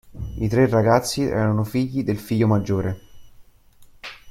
I tre ragazzi erano figli del figlio maggiore.